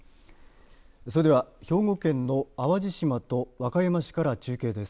それでは兵庫県の淡路島と和歌山市から中継です。